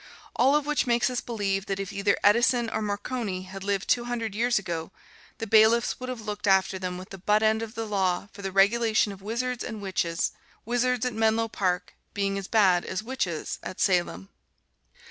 All of which makes us believe that if either Edison or Marconi had lived two hundred years ago, the bailiffs would have looked after them with the butt end of the law for the regulation of wizards and witches wizards at Menlo Park being as bad as witches at Salem.